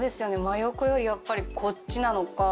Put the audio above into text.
真横よりやっぱりこっちなのか。